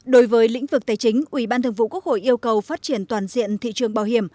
đối với lĩnh vực tài chính ủy ban thường vụ quốc hội yêu cầu phát triển toàn diện thị trường bảo hiểm